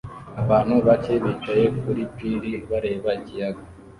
Abantu bake bicaye kuri pir bareba ikiyaga